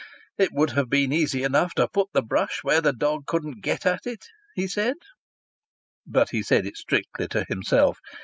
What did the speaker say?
"It would have been easy enough to put the brush where the dog couldn't get at it," he said. But he said this strictly to himself.